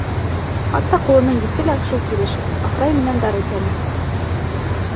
Хатта ҡулының еҫе лә шул килеш, махрай менән дарыу тәме.